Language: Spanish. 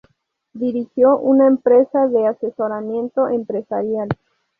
Dirigió una empresa de asesoramiento empresarial.